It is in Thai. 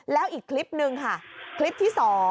แล้วอีกคลิปนึงค่ะคลิปที่๒